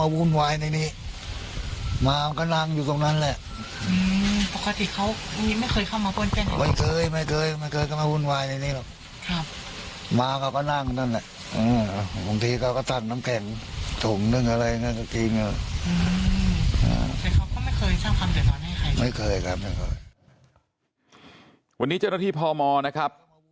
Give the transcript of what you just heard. วันนี้เจ้าหน้าที่พมนะครับ